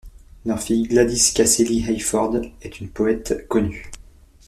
Leur fille Gladys Casely-Hayford est une poète connue.